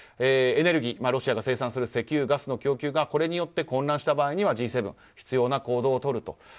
エネルギーロシアが生産する石油ガスの供給がこれによって混乱した場合にはＧ７必要な行動をとると。